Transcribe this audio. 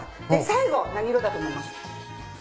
最後何色だと思います？